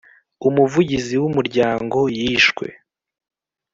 Umuvugizi w umuryango yishwe